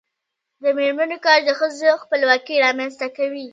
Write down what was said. د میرمنو کار د ښځو خپلواکي رامنځته کوي.